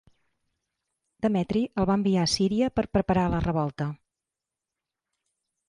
Demetri el va enviar a Síria per preparar la revolta.